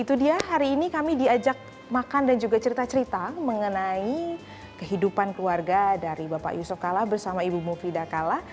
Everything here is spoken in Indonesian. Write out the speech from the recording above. itu dia hari ini kami diajak makan dan juga cerita cerita mengenai kehidupan keluarga dari bapak yusof kalla bersama ibu bunga fidah kalla